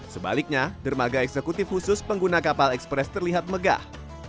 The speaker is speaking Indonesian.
sebaliknya dermaga eksekutif khusus pengguna kapal ekspres terlihat megah